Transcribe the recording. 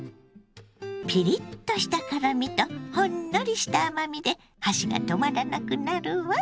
ピリッとした辛みとほんのりした甘みで箸が止まらなくなるわ。